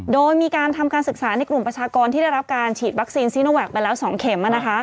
โดยมีการทำการศึกษาในกลุ่มประชากรที่ได้รับการฉีดวัคซีนซีโนแวคไปแล้ว๒เข็ม